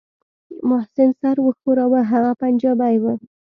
محسن سر وښوراوه هغه پنجابى و.